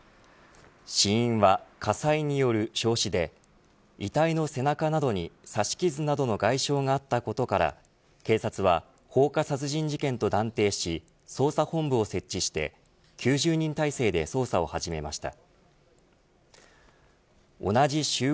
死因は火災による焼死で遺体の背中などに刺し傷などの外傷があったことから警察は放火殺人事件と断定し捜査本部を設置して９０人態勢で捜査を始めました。